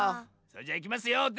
それじゃいきますよ。